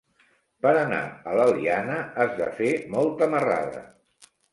Per anar a l'Eliana has de fer molta marrada.